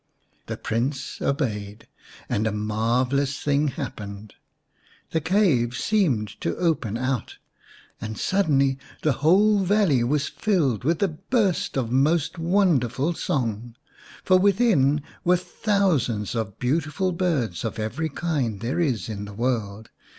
The Prince obeyed, and a marvellous thing happened. The cave seemed to open out, and suddenly the whole valley was filled with a burst of most wonderful song. For within were thousands of beautiful birds of every kind there is in the world.